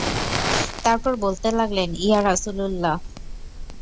তারপর বলতে লাগলেন, ইয়া রাসূলাল্লাহ!